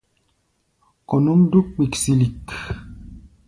Kɔ̧ núʼm dúk kpiksilik.